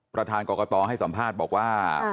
ประธานกรกตให้สัมภาษณ์บอกว่า